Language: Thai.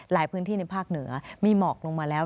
ในพื้นที่ในภาคเหนือมีหมอกลงมาแล้ว